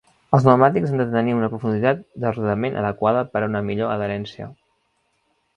Els pneumàtics han de tenir una profunditat de rodament adequada per a una millor adherència.